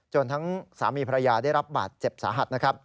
ทั้งสามีภรรยาได้รับบาดเจ็บสาหัสนะครับ